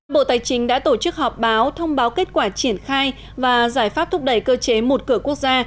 bộ tài chính đã tổ chức họp báo thông báo kết quả triển khai và giải pháp thúc đẩy cơ chế một cửa quốc gia